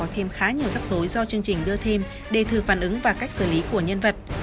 có thêm khá nhiều rắc rối do chương trình đưa thêm để thử phản ứng và cách xử lý của nhân vật